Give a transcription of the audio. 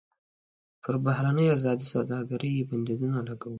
پر بهرنۍ ازادې سوداګرۍ یې بندیزونه لګولي.